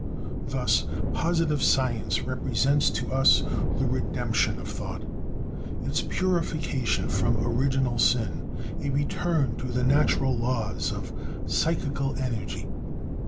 Thus positive science represents to us the "redemption" of thought; its purification from original sin, a return to the natural laws of psychical energy.